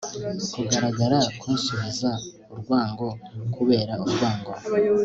Kugaragara kunsubiza urwango kubera urwango